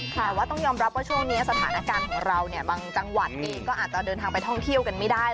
แต่ว่าต้องยอมรับว่าช่วงนี้สถานการณ์ของเราเนี่ยบางจังหวัดเองก็อาจจะเดินทางไปท่องเที่ยวกันไม่ได้